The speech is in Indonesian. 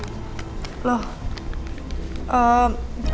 uang belanja dari haris